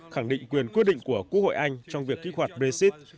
khẳng định quyền quyết định của quốc hội anh trong việc kích hoạt brexit